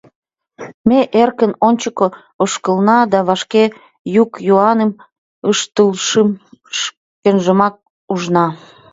Ме эркын ончыко ошкылна да вашке йӱк-йӱаным ыштылшым шкенжымак ужна.